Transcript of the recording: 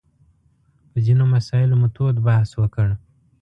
په ځینو مسایلو مو تود بحث وکړ.